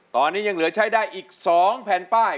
ตอนนี้ยังเหลือใช้ได้อีก๒แผ่นป้าย